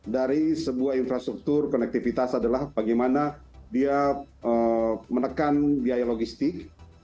dari sebuah infrastruktur konektivitas adalah bagaimana dia menekan biaya logistik